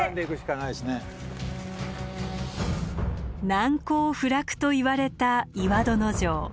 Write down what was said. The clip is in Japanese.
「難攻不落」といわれた岩殿城。